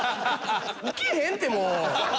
ウケへんってもう。